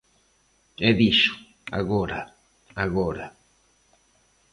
E dixo: agora, agora.